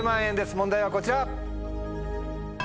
問題はこちら。